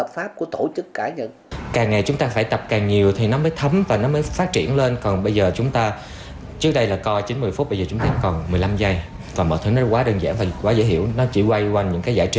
pháp của tổ chức cải nhận